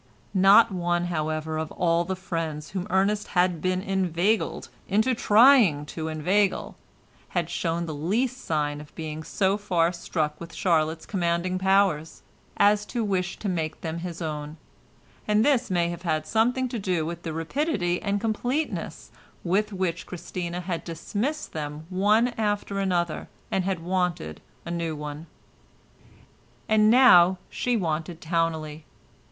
Not one, however, of all the friends whom Ernest had been inveigled into trying to inveigle had shown the least sign of being so far struck with Charlotte's commanding powers, as to wish to make them his own, and this may have had something to do with the rapidity and completeness with which Christina had dismissed them one after another and had wanted a new one. And now she wanted Towneley.